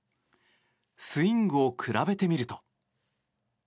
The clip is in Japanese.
スイングを比べてみると。